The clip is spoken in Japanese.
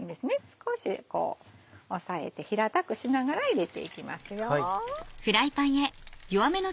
少しこう押さえて平たくしながら入れていきます。